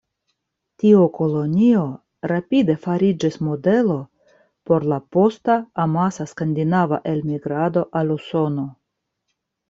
Tiu kolonio rapide fariĝis modelo por la posta, amasa skandinava elmigrado al Usono.